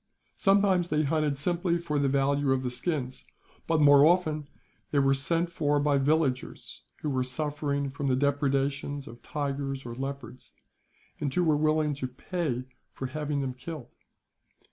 Sometimes they hunted simply for the value of the skins; but more often they were sent for by villagers, who were suffering from the depredations of tigers or leopards, and who were willing to pay for having them killed.